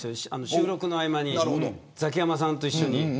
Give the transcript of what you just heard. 収録の合間にザキヤマさんと一緒に。